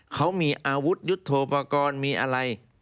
เขามีอาวุธยุทธโปรกรณ์มีอะไร